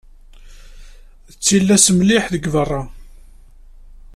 D tillas mliḥ deg beṛṛa.